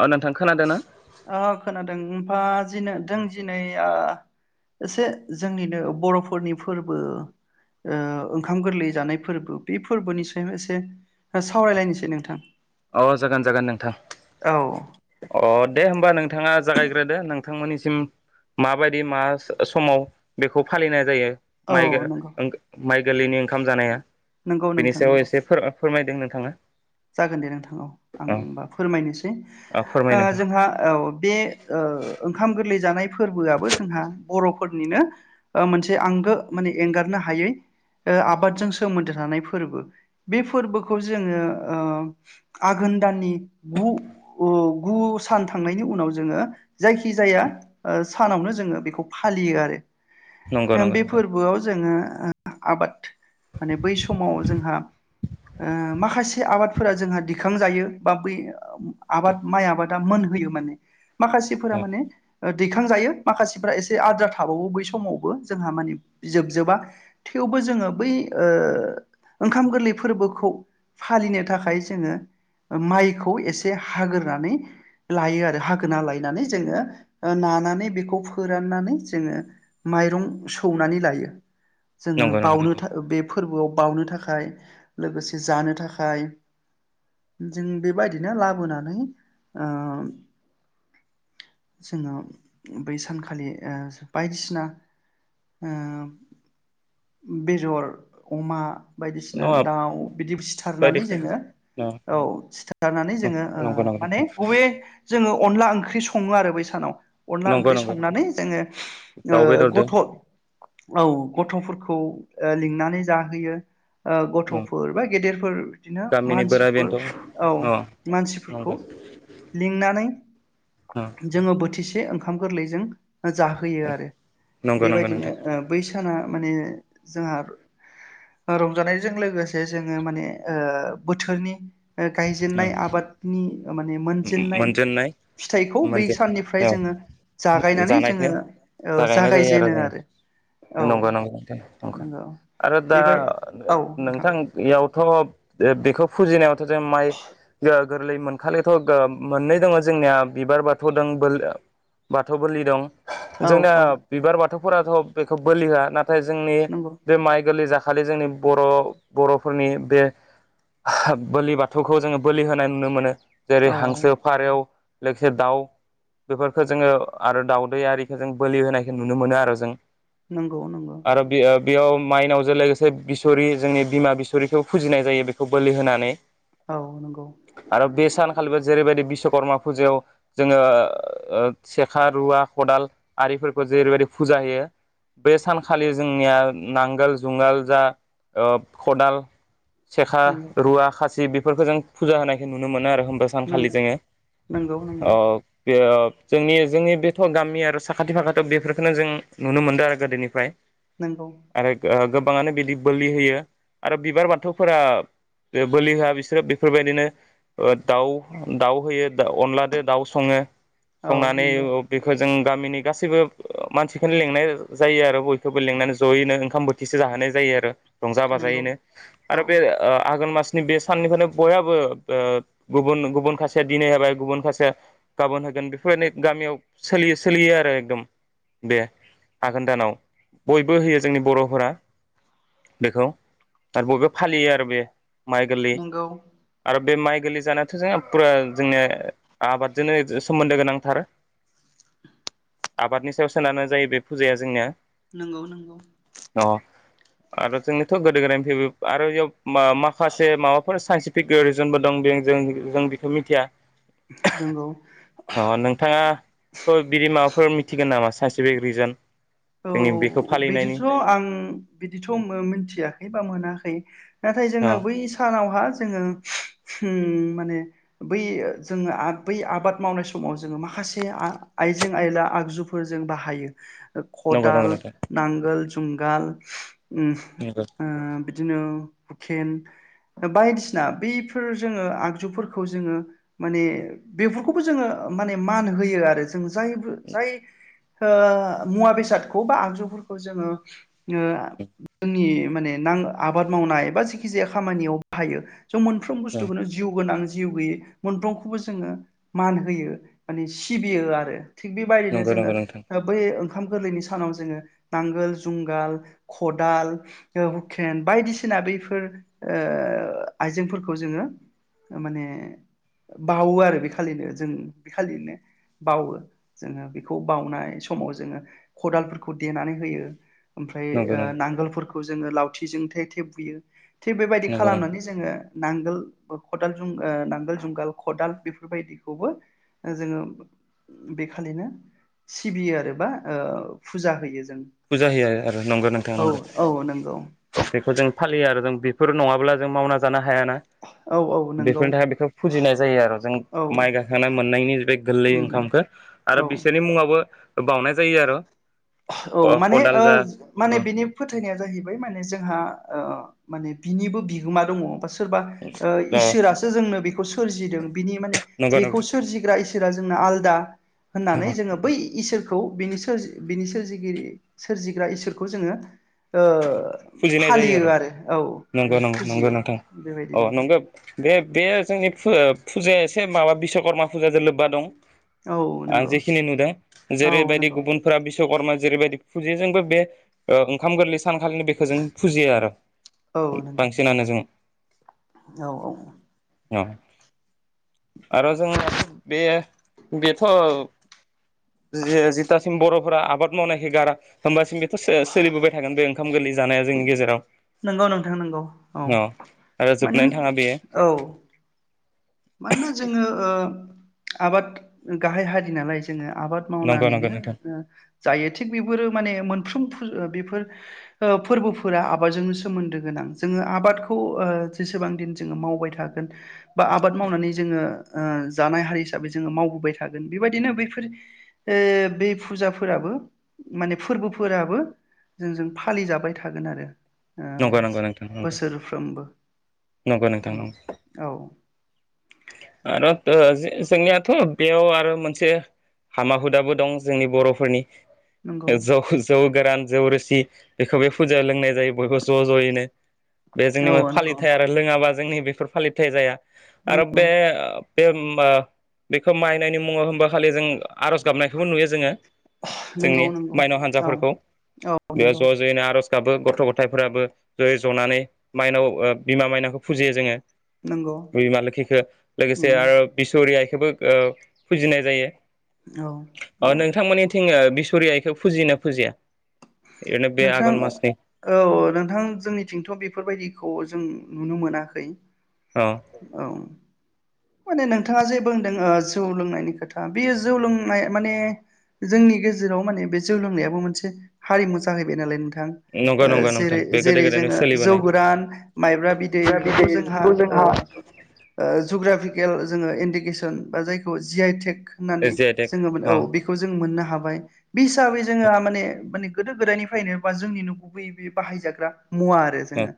ओ नोंथां खोनादों ना? फा खोनादों फा दिनो दिनै एसे जोंनिनो बर'फोरनि फोरबो ओ ओंखाम गोरलै जानाय फोरबो बे फोरबोनि सायाव एसे सावरायलायनोसै नोंथां। अ जागोन जागोन नोंथां औ अ दे होमबा नोंथाङा जागायग्रोदो नोंथांमोननिसिम माबायदि मा समाव बेखौ फालिनाय जायो औ माइ गा नंगौ ओ माइ गोरलैनि ओंखाम जानाया नंगौ बिनि नोंथां सायाव नंगौ एसे फोर फोरमाय दों नोंथाङा जागोन दे नोंथां औ आं औ होनबा फोरमायनोसै फोरमाय ओ नोंथां जोंहा बे ओंखाम गोरलै जानाय फोरबोआबो जोंहा बर'फोरनिनो ओ मोनसे आंगो माने एंगारनो हायै ओ आबादजों सोमोन्दो थानाय फोरबो बे फोरबोखौ जोङो ओ आघोन दाननि गु गु सान थांनायनि उनाव जोङो जायखि जाया ओ सानावनो जोङो बेखौ फालियो आरो नंगौ ओ नंगौ बे नोंथां फोरबोआव जोङो आबाद माने बै समाव जोंहा ओ माखासे से आबादफोरा जोंहा दिखांजायो बा बै आबाद माइ आबादा मोन होयो माने माखासेफोरा माने ओ दैखांजायो माखासेफ्रा एसे आद्रा थाबावो बै समावबो जोंहा मानि जोबजोबा थेवबो जोङो बै ओ ओंखाम गोरलै फोरबोखौ फालिनो थाखाय जोङो माइखौ एसे हाग्रोनानै लायो आरो हाग्रोना लायनानै जोङो नानानै बेखौ फोराननानै जोङो माइरं सौनानै लायो जोङो नंगौ नंगौ बावनो नोंथां था बे फोरबोआव बावनो थाखाय लोगोसे जानो था खाय जों बेबायदिनो लाबोनानै ओ जोङो बै सानखालि ओ बायदिसिना ओ बेदर अमा बायदिसिना नङा दाउ बिदि फि [unintelligible] सिनानै जोङो बायदिसिना औ सिथारनानै जोङो ओ नंगौ नंगौ माने नोंथां बबे जोङो अनला ओंख्रि सङोआरो बै सानाव अनला नंगौ ओंख्रि नंगौ संनानै जोङो ओ दाउ बेदरदो गथ' औ गथ'फोरखौ ओ लिंनानै जाहोयो ओ गथ'फोर बा गेदेर बिदिनो गामिनि बोराइ मानसिफोर बेन्थ' औ अ मानसिफोरखौ नंगौ लिंनानै जोङो बोथो बोथिसे ओंखाम गोरलैजों जाहोयोआरो नंगौ नंगौ बेबायदिनो नोंथां ओ बै साना माने जोंहा रंजानायजों लोगोसे जोङो माने ओ बोथोरनि ओ गायजेननाय आबादनि ओ माने मोनजेननाय फिथाइखौ बै मोनज साननिफ्राय औ जोङो जागायनानै जानायखौ जोङो ओ जागायनाय जायोआरो जागायजेनो जों आरो नंगौ औ नंगा नंगौ आरो दा बेबाय औ नोंथां नोंथांयावथ' ए बेखौ फुजिनायाव [unintelligible] माइ [unintelligible] गोरलै मोनखालि थ' मोननै दङ जोंनिया बिबार बाथौ दं बाथौ बोलि दं। औ जोंना औ बिबार बाथौखौ फोराथ' बेखौ बोलि होआ ना थाय जोंनि नंगौ बे माइ गोरलै जा खालि जोंनि बर' बर'फोरनि बे बोलि बाथौखौ जोङो बोलि होनाय नुनो मोनो। जेरै औ हांसो फारेव लोगोसे दाउ बेफोरखौ जोङो आरो दाउदै आरिखौ जों बोलि होनायखौ नुनो मोनो आरो जों नंगौ नंगौ। आरो बे बेयाव माइनावजों लोगोसे बिसरि जोंनि बिमा बिसरिखौबो फुजिनाय जायो बेखौ बोलि होनानै । औ नंगौ। [unintelligible] जेरैबायदि बिश्वकर्मा फुजायाव जोङो ओ सेखा रुवा खदाल आरिफोरखौ जेरैबायदि फुजा होयो बे सानखालि जोंनिया नांगोल जुंगाल जा ओ खदाल सेखा नंगौ रुवा खासि ज बेफोरखौ जों फुजा होनायखौ नुनो मोनो आरो। नों सानखालि जोङो नंगौ नंगौ ओ बे जोंनि जोंनि बेथ' गामि आरो साखाथि फाखाथियाव बेफोरखौनो जों नुनो मोनदों आरो गोदोनिफ्राय। नंगौ आरो । गोबाङानो बिदि बोलि होयो आरो बिबार बाथौफोरा बोलि होआ बिसोरो बेफोरबायदिनो दाउ। दाउ होयो दा अनलाजों दाउ सङो। औ संनानै नंगौ बेखौ जों गामिनि गासैबो मानसिखौनो लेंनाय जायो आरो बयखौबो लेंंनानै जयैनो ओंखाम बोथिसे जाहोनाय जायो आरो। रंजा नंगौ बाजायैनो औ आरो बे ओ आघोन मास बे साननिफ्रायनो बयहाबो ओ गुबुन गुबुन गुबुन खासेया दिनै होबाय गुबुन खासेया गाबोन होगोन बेफोरबायदि गामियाव सोलियो सोलियो आरो एकदम बे आघोन दानाव बयबो होयो जोंनि बर'फोरा बेखौ आरो बयबो फालियो आरो बे। माइ गोरलै नंगौ आरो बे माइ गोरलै जानायाथ' जों फुरा जोंनिया आबादजोंनो सोमोन्दो गोनांथार। आबादनि सायाव सोनारनाय जायो बे फुजाया जोंनिया। नोंगौ नोंगौ। अ आरो जोंनिथ' गोदो गोदायनिफ्रायबो आरो इयाव। माखासे माबाफोर साइन्टिफिक रिजनबो दं बे मिथिया नंगौ नोंथाङा' बिदि माबाफोर मिथिगोन नामा? Specific reason. औ बिदिथ' आं बिदिथ' मिथियाखै बा मोनाखै। [inaudible] नाथाय अ जोङो बै सानावहा जोङो माने बै जोङो बै आबाद मावनाय समाव जोङो माखासे आ-आइजें आयला आगजुफोर जों बाहायो। नंगौ नंगौ खदाल, नोंथां नांगोल, जुंगाल उम नंगौ ओ बिदिनो हुखेन बायदिसिना बेफोर जोङो आगजुफोरखौ जोङो माने बेफोरखौबो जोङो माने मान होयो आरो जों जाय जाय ओ मुवा बेसादखौ बा आगजुफोरखौ जोङो ओ जोंनि माने नां आबाद मावनाय बा जेखि जाया खामानियाव बाहायो। स' मोनफ्रोम बुस्थुखौनो जिउ गोनां जिउ गैयि मोनफ्रोमखौबो जोङो मान होयो माने सिबियो आरो। थिग बेबायदिनो नंगौ जोङो नंगौ नोंथां ओ बै ओंखाम गोरलैनि सानाव जोङो नांगोल, जुंगाल, खदाल ओ हुकेन बायदिसिना बैफोर ओ आइजेंफोरखौ जोङो माने बावो आरो बे खालिनो जों बे खालिनो बावो। जोङो बेखौ बावउनाय समाव जोङो खदालफोरखौ देनानै होयो ओमफ्राय नंगौ ओ नंगौ नांगोलफोर‌ खौ जोङो लावथिजों थेथेब बुयो थिग बेबायदि नंगौ नंगौ खालामनानै जोङो नांगोल, खदाल, जुं नांगोल जुंगाल, खदाल बेफोरबायदिखौबो जोङो बेखालिनो सिबियो आरो बा ओ फुजा होयो। जों फुजा होयो आरो नंगौ नोंथाङा औ औ नंगौ। बेखौ जों फालियो आरो जों बेफोर नङाब्ला जों मावना जाना हायाना औ औ नंगौ बेफोरनि थाखाय बेखौ फुजिनाय जायो आरो जों औ माइ गाखोना मोननायनि बै गोरलै उम ओंखामखो। आरो औ बिसोरनि मुङावबो बावनाय जायो आरो। औ माने खदाल ओ जा माने अ बिनि फोथायनाया जाहैबाय माने जोंहा ओ माने बिनिबो बिहोमा दङ। बास सोरबा ओ इसोरासो जोंनो बे खौ सोरजिदों बिनि माने नंगौ बेखौ नंगौ सोरजिग्रा इसो रफोरा जोंना आलदा होननानै जोङो बै इसोर खौ बिनि सोर बिनि सोरजिगिरि सोरजिग्रा इसोरखौ जोङो ओ फुजिनाय जायो फालियो आरो औ नंगौं नंगौ फुजियो नोंथां बेबायदि अ नोंथां नंगौ। बे बे जोंनि फुजाया एसे माबा बिसकर्मा फुजाजों लोबबा दं । औ आं नंगौ जेखिनि नुदों औ जेरैबायदि नंगौ गुबुनफोरा बिशकर्मा जेरैबायदि फुजेजोंबो बे ओ ओंखाम गोरलै खालनि बेखौ जों फुजियो आरो औ नंगौ बांसिनानो जों औ ।अ आरो जों बांसिन बेयो बेथ' जि जिथासिम बर'फोरा आबाद मावनायख गारा होमबासिम बेथ' सोलिबोबाय थागोन बे ओंखाम गोरलै जानाया जोंनि गेजेराव । नंगौ नोंथां नंगौ औ आरो माने जोबनानै थाङा बेयो औ । मानोना जोङो ओ आबाद गाहाय हारिनालाय जोङो आबाद नंगौ मावनानै नंगौ नोंथां ओ जायो थिग बेफोरो माने मोनफ्रोम फु ओ बेफोर ओ फोरबोफोरा आबादजोंनो सोमोन्दो गोनां जोङो आबादखौ ओ जेसेबां दिन जोङो मावबाय थागोन बा आ बाद मावनानै जोङो ओ जानाय हारि हिसाबै जोङो मावबोबाय थागोन बेबायदिनो बैफोर बे ओ फुजाफोराबो माने फोरबोफोराबो जोंजों फालिजाबाय थागोन आरो । नंगौ औ नंगौ नोंथां नंगौ बोसोरफ्रोमबो नंगौ नोंथां उम नंगौ औ आरो ओ जोंनियाथ' बेयाव आरो मोनसे हामा हुदाबो दं जोंनि बर'फोरनि नंगौ । ओ जौ जौ गोरान जौ रोसि बेखौ बे फुजायाव लोंनाय जायो बयबो ज' ज'यैनो । बे जोंनि म औ नंगौ फालिथाय आरो लोङाबा जोंनि बेफोर फालिथाइ जाया आरो नों बे ओ बेयो ओ बेखौ माइनायनि मुङाव होनबा खालि जों आर'ज गाबनायखौबो नुयो जोङो । नंगौ जोंनि नंगौ माइनाव औ हान्जाफोरखौ औ बेयाव नंगौ ज' ज'यैनो आर'ज दाबो गथ' गथायफोराबो जयै ज'नानै माइनाव ओ बिमा माइनावखौ फुजियो जोङो । नंगौ बिमा लोखिखौ । लोगोसे उम आरो बिसुह रि आइखौबो ओ फुजिनाय जायो औ । अ नंगौ नोंथांमोननिथिं ओ बिसहरि आइखौ फुजिना फुजिया? ओरैनो बे नोंथां आघन मासनि औ नोंथां जोंनिथिंथ' बेफोरबायदिखौ जों नुनो मोनाखै अ । औ माने नोंथाङा जे बुंदों जौ लोंनायनि खोथा बेयो जौ लोंनाय माने जोंनि गेजेराव माने बे जौ लोंनायाबो मोनसे हारिमु जाहैबाय नालाय नों थां । ओ नंगौ नंगौ नोंथां जेरै बे गोदो जेरै गोदायनिफ्राय जोङो जौ सोलिबोनाय गोरान माइब्रा बिदै जा बिफोरखौ जोंहा बिदैखौ ओ ओ जाग्रा जोङो इन्डिकेसन बा जायखौ जि आइ टेक होननानै जि आइ टेक जोङो औ अ बेखौ जों मोननो हायो हाबाय बे हिसाबै जोंहा माने माने गोदो गोदायनिफ्रायनो बा जोंनि न'खौ बै बे बाहायजाग्रा मुवा आरो अ जोङो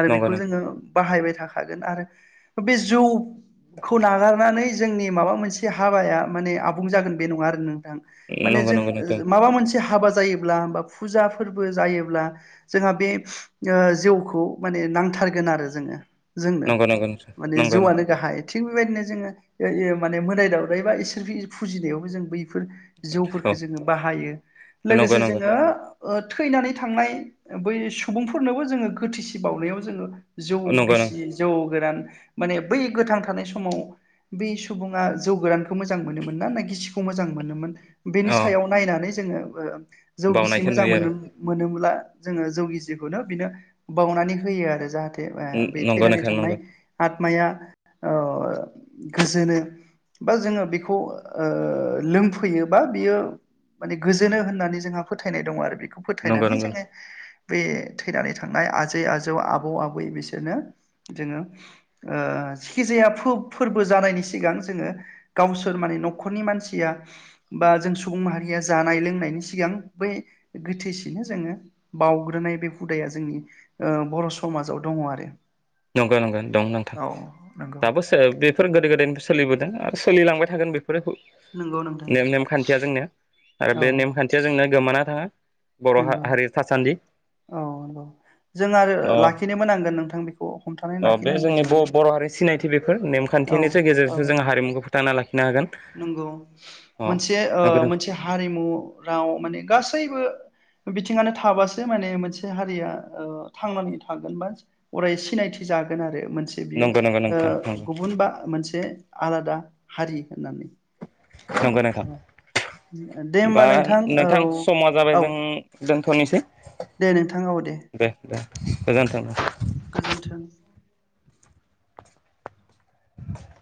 आरो नंगौ बेखौ नंगौ जोङो बाहायबाय हागोन आरो बे जौ खौ नागारनानै जोंनि माबा मोनसे हाबाया माने आबुं जागोन बे नङा आरो माने नंगौ जों नंगौ नोंथां माबा मोनसे हाबा जायोब्ला बा फुजा फोरबो जायोब्ला जोंहा बे जिउखौ माने नांथारगोन आरो जोङो जोंनो नंगौ नंगौ नोंथां माने नंगौ नंगौ जिउआनो गाहाय थिग बेबायदिनो जोङो माने मोनाय दावदाय बा इसोर फुजिनायावबो जों बै बेफोर जिउफोरखौ औ जोङो बाहायो नंगौ लोगोसे नंगौ जोङो थैनानै थांनाय बै सुबुंफोरनोबो जोङो गोथिसि बावनायाव जोङो जौ नंगौ गिसि जौ गोरान माने बै गोथां थानाय समाव बे सुबुङा जौ गोरानखौ मोजां मोनोमोन ना ना गिसिखौ मोजां मोनोमोन बेनि नंगौ अ सायाव नायनानै जोङो बो जौ एसे बावनायखौ मोजां नुयो मोन आरो मोनोब्ला जोङो जौगिसिखौनो बिनो बावनानै होयो आरो जाहाथे बे नंगौ थैनानै नोंथां थांनाय नंगौ आत्माया ओ गोजोनो बा जोङो बेखौ ओ लोंफैयो बा बियो माने गोजोनो होननानै जोंहा फोथायनाय दङ आरो फोथायनानै नंगौ नंगौ जोङो बे थैनानै थांनाय आजै आजौ आबौ आबै बिसोरनो जोङो ओ जाखिजाया फोरबो जानायनि सिगां जोङो गावसोर माने न'खरनि मानसिया बा जों सुबुं माहारिया जानाय लोंनायनि सिगां बै गोथैसिनो जोङो बाग्रोनाय बे हुदाया जोंनि बर' समाजाव दङ आरो नंगौ नंगौ दं नोंथां औ नंगौ दाबो सो बेफोर गोदो गो गोदोनि सोलिबोदों आरो सोलिलांबाय थागोन बेखौ बेफोर नंगौ नोंथां ने नेमखान्थिया जोंनिया आरो औ बे नेमखान्थिया जोंनोया गोमाना हो नंगौ औ नंगौ जों आरो अ लाखिनोबोांगोन नोंथां बेखौ हमथानानै अ बे लाखिनांगोन जोंनि जोङो बर' हारिनि सिनायथि बेफोर औ नेमखान्थिनि गेजेरजों औ जों हारिमुखौ फोथांना लाखिनो हागोन। नंगौ अ मोनसे ओ नंगौ मोनसे हारिमु राव माने गासैबो बिथिङानो थाबासो माने मोनसे हारिया थांनानै थागोन बा अराय सिनायथि जागोन आरो मोनसे बियो नंगौ नंगौ ओ नोंथां नंगौ गुबुन बा मोनसे आलादा हारि होननानै [inaudible] नंगौ नोंथां दे होमबा नोंथां औ समा जाबाय औ जों दोनथ'नोसै दे नोंथां औ दे दे। गोजोनथों अ गोजोन्थों [inaudible]